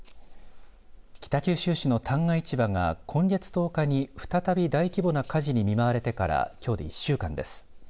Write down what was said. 北九州市の旦過市場が今月１０日に再び大規模な火事に見舞われてからきょうで１週間です。